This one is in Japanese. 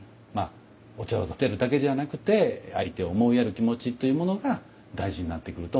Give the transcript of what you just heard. お茶を点てるだけじゃなくて相手を思いやる気持ちというものが大事になってくると思います。